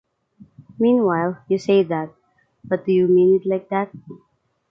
Meanwhile, you say that. But do you mean it like that?